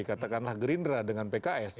katakanlah gerindra dengan pks